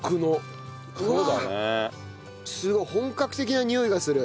本格的なにおいがする。